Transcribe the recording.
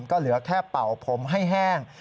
ก็เหลือแค่เป่าผมให้แห้ง